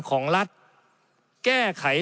ของรัฐแก้ไข